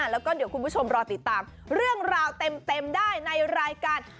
แล้วก็เดี๋ยวคุณผู้ชมรอติดตามเรื่องราวเต็มได้ในรายการ